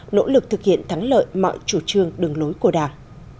nỗ lực thực hiện thắng lợi mọi chủ trương đường lối của đảng